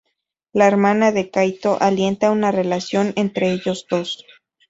La hermana de Kaito alienta una relación entre ellos dos.